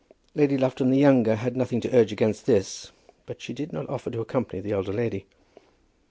Lady Lufton the younger had nothing to urge against this; but she did not offer to accompany the elder lady.